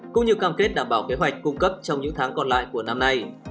cũng như cam kết đảm bảo kế hoạch cung cấp trong những tháng còn lại của năm nay